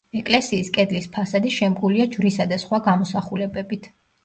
ეკლესიის კედლის ფასადი შემკულია ჯვრისა და სხვა გამოსახულებებით.